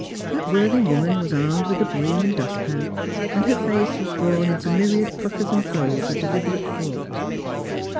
That worthy woman was armed with a broom and dust pan, and her face was drawn into myriad puckers and folds of deliberate thought.